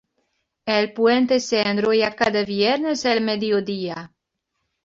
El puente se enrolla cada viernes al mediodía.